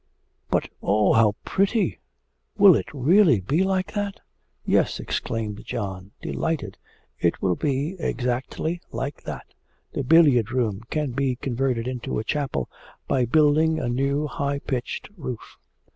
'But, oh, how pretty! will it be really like that?' 'Yes,' exclaimed John, delighted; 'it will be exactly like that. The billiard room can be converted into a chapel by building a new high pitched roof.'